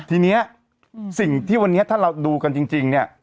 ทีนี้สิ่งที่วันนี้ถ้าเราดูกันจริงเนี่ย